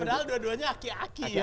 padahal dua duanya aki aki ya